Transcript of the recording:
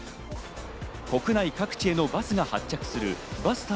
国内各地へのバスが発着するバスタ